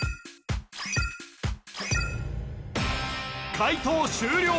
解答終了